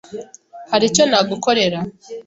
Hari icyo nagukorera?